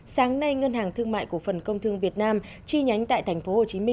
sáng nay ngân hàng thương mại cổ phần công thương việt nam chi nhánh tại tp hcm